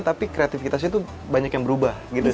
tapi kreatifitasnya tuh banyak yang berubah gitu sih